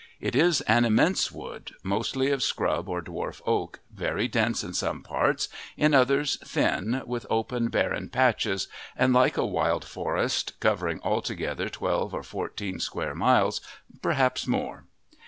It is an immense wood, mostly of scrub or dwarf oak, very dense in some parts, in others thin, with open, barren patches, and like a wild forest, covering altogether twelve or fourteen square miles perhaps more.